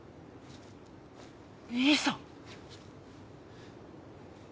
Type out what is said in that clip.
兄さん。